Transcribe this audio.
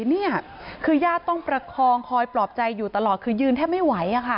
นี่คือญาติต้องประคองคอยปลอบใจอยู่ตลอดคือยืนแทบไม่ไหว